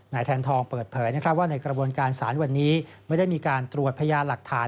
แทนทองเปิดเผยว่าในกระบวนการสารวันนี้ไม่ได้มีการตรวจพยานหลักฐาน